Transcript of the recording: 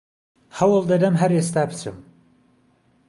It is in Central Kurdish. هەوڵ دەدەم هەر ئێستا بچم